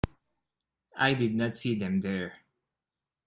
I did not see them there.